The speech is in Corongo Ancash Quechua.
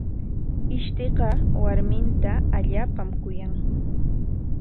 Ishtiqa warminta allaapam kuyan.